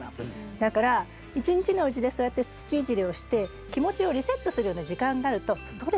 だから一日のうちでそうやって土いじりをして気持ちをリセットするような時間があるとストレスがたまらない。